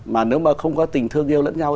mà nếu mà không có tình thương yêu lẫn nhau